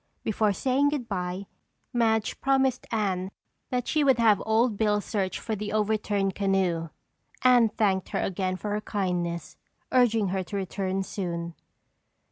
Before saying goodbye, Madge promised Anne that she would have Old Bill search for the overturned canoe. Anne thanked her again for her kindness, urging her to return soon.